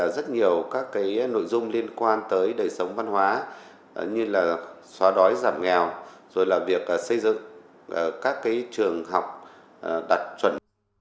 rất nhiều các nội dung liên quan tới đời sống văn hóa như là xóa đói giảm nghèo rồi là việc xây dựng các trường học đạt chuẩn